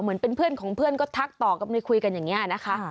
เหมือนเป็นเพื่อนของเพื่อนก็ทักต่อกันเลยคุยกันอย่างนี้นะคะ